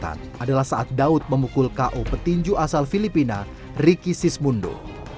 dalam ingatan adalah saat daud memukul ko petinju asal filipina ricky sismundo